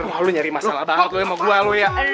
wah lo nyari masalah banget sama gue lo ya